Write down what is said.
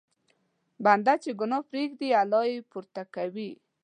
بنده چې ګناه پرېږدي، الله یې پورته کوي.